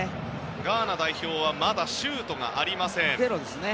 ガーナ代表はまだシュートがありません。